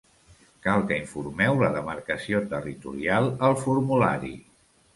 Cal que informeu la demarcació territorial al formulari.